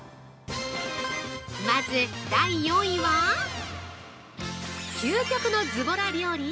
まず第４位は究極のずぼら料理！？